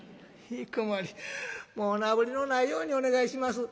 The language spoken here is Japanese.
もうおなぶりのないようにお願いします。